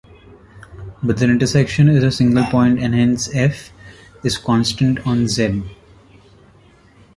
But their intersection is a single point and hence "f" is constant on "Z".